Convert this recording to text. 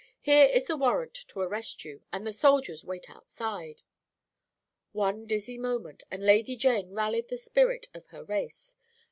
Here is the warrant to arrest you, and the soldiers wait outside.' "One dizzy moment, and Lady Jane rallied the spirit of her race.